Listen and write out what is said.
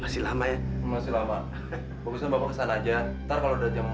sia sia sia buktinya